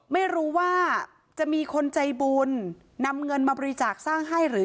ไม่รู้ว่าจะมีคนใจบุญนำเงินมาบริจาคสร้างให้หรือ